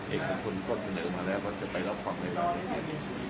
เอกสุดคนก็เสนอมาแล้วว่าจะไปรับฝังไหนเราก็ได้